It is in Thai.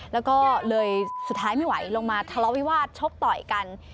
แล้วก็เลยสุดท้ายไม่ไหวลงมาทะเลาวิวาสชกต่อยกัน